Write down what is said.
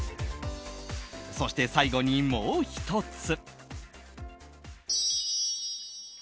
そして最後にもう１つ。